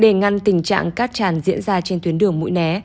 để ngăn tình trạng cát tràn diễn ra trên tuyến đường mũi né